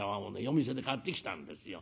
夜店で買ってきたんですよ。